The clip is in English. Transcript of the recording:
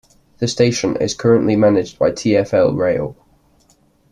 The station is currently managed by TfL Rail.